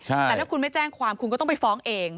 แต่ถ้าคุณไม่แจ้งความคุณก็ต้องไปฟ้องเอง